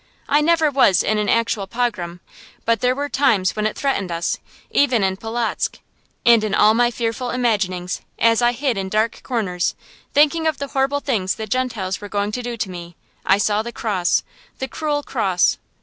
I never was in an actual pogrom, but there were times when it threatened us, even in Polotzk; and in all my fearful imaginings, as I hid in dark corners, thinking of the horrible things the Gentiles were going to do to me, I saw the cross, the cruel cross.